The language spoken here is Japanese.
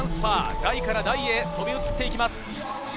台から台へ飛び移っていきます。